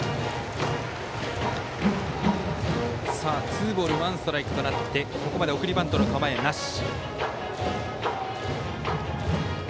ツーボールワンストライクとなってここまで送りバントの構えなし。